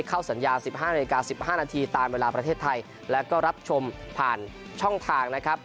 เข้าสัญญา๑๕นาฬิกา๑๕นาทีตามเวลาประเทศไทยแล้วก็รับชมผ่านช่องทางนะครับ